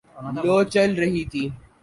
لوُ چل رہی ہے